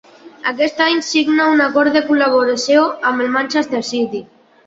Aquest any signa un acord de col·laboració amb el Manchester City.